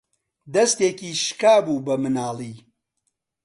دەستێکی شکا بوو بە مناڵی